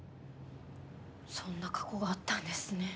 そんな過去があったんですね。